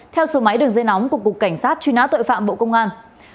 theo số máy đường dây nóng của cục cảnh sát truy nã tội phạm bộ công an